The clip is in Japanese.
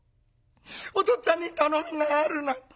『お父っつぁんに頼みがあるの』と。